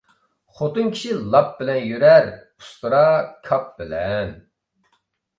خوتۇن كىشى لاپ بىلەن يۈرەر، ئۇستىرا كاپ بىلەن.